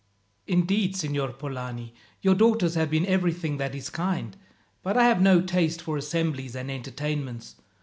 "Indeed, Signor Polani, your daughters have been everything that is kind, but I have no taste for assemblies and entertainments.